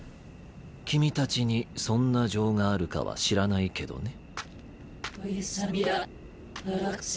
君たちにそんな情があるかは知らないけどね。